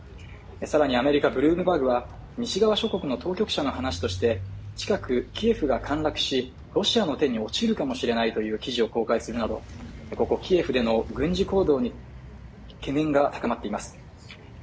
さらにアメリカ・ブルームバーグは西側諸国の当局者の話として近くキエフが陥落しロシアの手に落ちるかもしれないという記事を公開するなどキエフでの軍事行動に懸念が高まっています